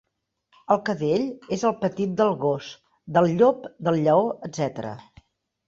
El cadell és el petit del gos, del llop, del lleó, etc.